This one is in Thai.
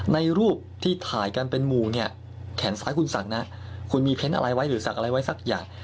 ในรูปที่ถ่ายกันเป็นหมู่เนี่ยแขนซ้ายคุณศักดิ์นะคุณมีเพ้นอะไรไว้หรือสักอะไรไว้สักอย่าง